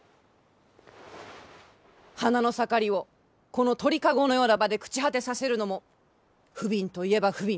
花の盛りをこの鳥籠のような場で朽ち果てさせるのも不憫といえば不憫。